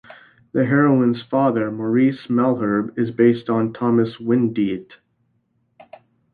The heroine's father, Maurice Malherb, is based on Thomas Windeatt.